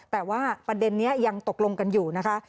แต่ว่าประเด็นนี้ยังตกลงกันอยู่นะคะ